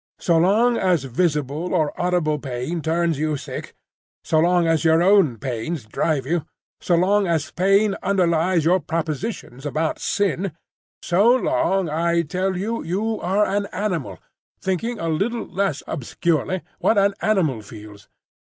So long as visible or audible pain turns you sick; so long as your own pains drive you; so long as pain underlies your propositions about sin,—so long, I tell you, you are an animal, thinking a little less obscurely what an animal feels.